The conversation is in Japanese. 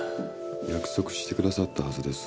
約束してくださったはずです。